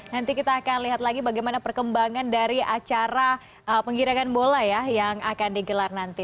nanti kita akan lihat lagi bagaimana perkembangan dari acara penggirakan bola ya yang akan digelar nanti